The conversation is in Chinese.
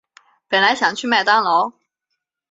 本来想去麦当劳